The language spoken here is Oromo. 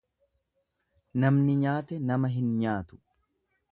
Namni nyaate nama hin nyaatu.